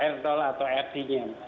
r atau rt nya